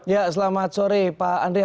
ya selamat sore pak andre